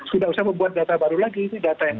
sudah usah membuat data baru lagi ini data yang